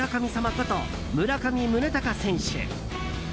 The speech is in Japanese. こと村上宗隆選手。